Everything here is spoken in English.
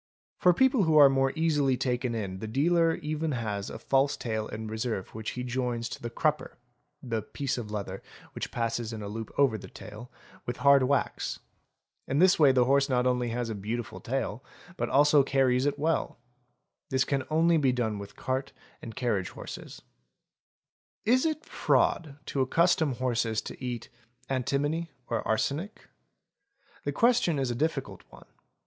For people who are more easily taken in the dealer even has a false tail in reserve which he joins to the crupper (the piece of leather which 3 _ passes in a loop over the tail) with hard wax. In this way the horse not Vl aaes Tx iL ol ls, Eas Le EES ELE EGS FR TIT ek fel ee 0 only has a beautiful tail, but also carries it well. This can only be done with cart and carriage horses. Is it fraud to accustom horses to eat antimony or arsenic? The question is a difficult one.